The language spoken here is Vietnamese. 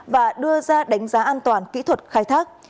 và đưa ra đánh giá an toàn kỹ thuật khai thác